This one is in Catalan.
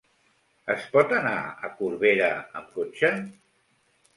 Es pot anar a Corbera amb cotxe?